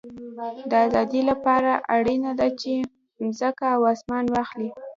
د آزادۍ له پاره اړینه ده، چي مځکه او اسمان واخلې.